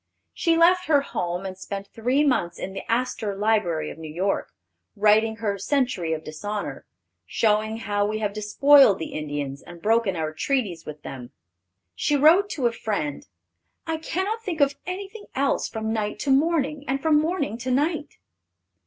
She left her home and spent three months in the Astor Library of New York, writing her Century of Dishonor, showing how we have despoiled the Indians and broken our treaties with them. She wrote to a friend, "I cannot think of anything else from night to morning and from morning to night."